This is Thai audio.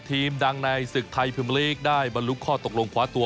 ทีมดังในศึกไทยพิมลีกได้บรรลุข้อตกลงคว้าตัว